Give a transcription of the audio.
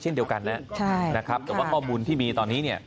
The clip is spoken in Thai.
เช่นเดียวกันแล้วนะครับแต่ว่าข้อมูลที่มีตอนนี้เนี่ย